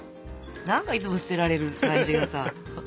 何かいつも捨てられる感じがさ。